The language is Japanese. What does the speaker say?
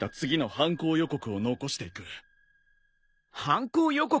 犯行予告！？